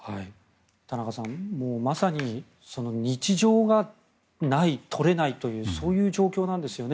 田中さん、まさに日常がない、撮れないというそういう状況なんですよね